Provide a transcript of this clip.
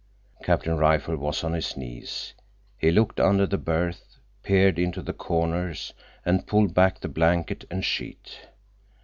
Captain Rifle was on his knees. He looked under the berth, peered into the corners, and pulled back the blanket and sheet.